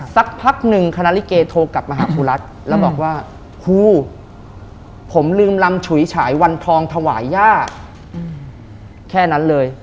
สักพักหนึ่งคณะลิเกโทรกลับมาหาครูรัฐแล้วบอกว่าครูผมลืมลำฉุยฉายวันทองถวายย่าแค่นั้นเลย